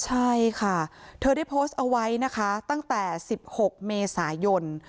ใช่ค่ะเธอได้โพสต์เอาไว้นะคะตั้งแต่๑๖เมษายน